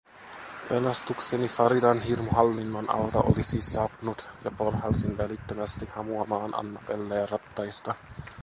Pelastukseni Faridan hirmuhallinnon alta oli siis saapunut ja porhalsin välittömästi hamuamaan Annabelleä rattaista.